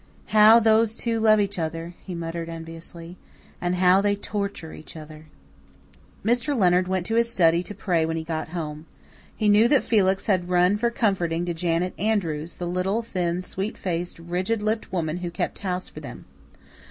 "How those two love each other!" he muttered enviously. "And how they torture each other!" Mr. Leonard went to his study to pray when he got home. He knew that Felix had run for comforting to Janet Andrews, the little, thin, sweet faced, rigid lipped woman who kept house for them.